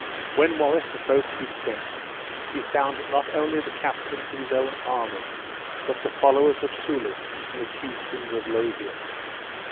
When Wallace approached his tent, he found not only the captains of his own army, but the followers of Soulis and the chieftains of Lothian.